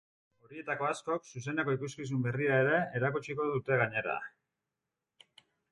Horietako askok, zuzeneko ikuskizun berria ere erakutsiko dute gainera.